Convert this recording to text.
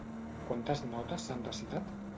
Quantes notes s'han recitat?